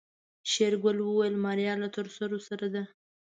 شېرګل وويل ماريا له تورسرو سره ده.